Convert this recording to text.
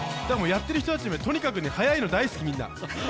だからやってる人たちは、とにかく速いの大好き、みんな。